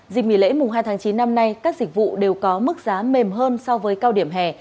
dịp nghỉ lễ mùng hai tháng chín năm nay các dịch vụ đều có mức giá mềm hơn so với cao điểm hè